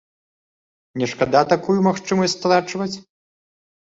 Не шкада такую магчымасць страчваць?